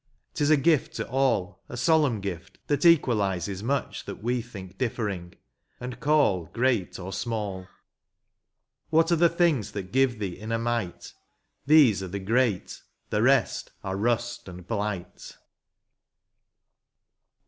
— 't is a gift to all, A solemn gift, that equalises much That we think differing, and caU great or small. What are the things that give thee inner might ? These are the great, the rest are rust and blight.